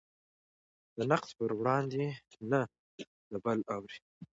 د نقد پر وړاندې نه د بل اوري.